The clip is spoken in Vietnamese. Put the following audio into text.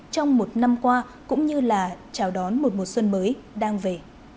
trong một năm qua cũng như là chào đón một mùa xuân mới đang về